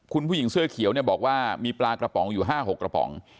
คุณผู้หญิงเสื้อเขียวเนี่ยบอกว่ามีปลากระป๋องอยู่๕๖กระป๋อง